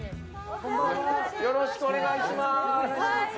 よろしくお願いします。